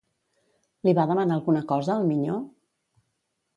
Li va demanar alguna cosa al minyó?